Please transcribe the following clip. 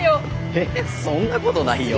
えそんなことないよ。